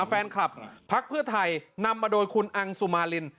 ภาครัวไทยนำมาโดยคุณอังสุมาริน